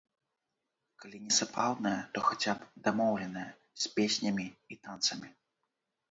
Калі не сапраўднае, то хаця б дамоўленае, з песнямі і танцамі.